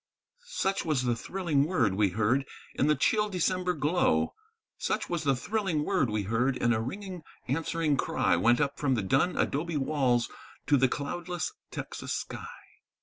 _ Such was the thrilling word we heard in the chill December glow; Such was the thrilling word we heard, and a ringing, answering cry Went up from the dun adobe walls to the cloudless Texas sky.